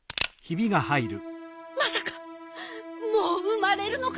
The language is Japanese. まさかもううまれるのかしら？